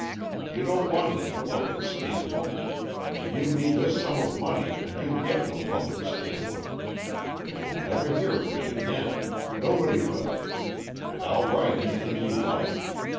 You don't want any public scandal. Give me this sum of money, and you'll get no public scandal. You'll never hear of it again. Nobody will. And I'll write anything you like.